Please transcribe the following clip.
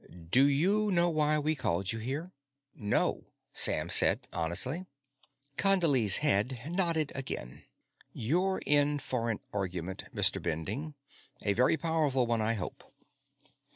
"Do you know why we called you here?" "No," Sam said honestly. Condley's head nodded again. "You're in for an argument, Mr. Bending. A very powerful one, I hope.